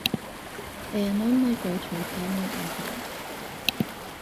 They are non-migratory permanent residents.